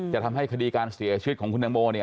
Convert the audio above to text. จะทำให้คดีการเสียชีวิตของคุณตังโม